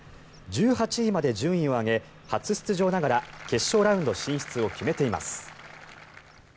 １８位まで順位を上げ初出場ながら決勝ラウンド進出を決めています。